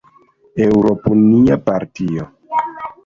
Eŭropunia partio.